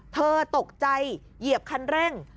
เธอตกใจเหยียบคันเร่ง